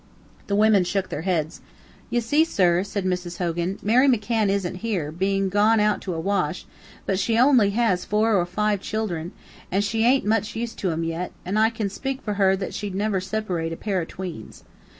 The women shook their heads. "Ye see, sir," said Mrs. Hogan, "Mary McCann isn't here, bein' gone out to a wash, but she ownly has four or foive childther, an' she aint much used to 'em yit, an' I kin spake fer her that she'd niver siparate a pair o' tweens.